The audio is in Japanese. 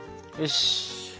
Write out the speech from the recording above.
よし。